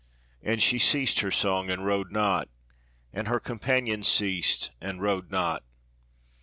And she ceased her song, and rowed not; and her com panions ceased and rowed not.